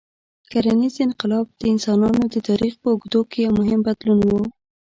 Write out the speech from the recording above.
کرنيز انقلاب د انسانانو د تاریخ په اوږدو کې یو مهم بدلون و.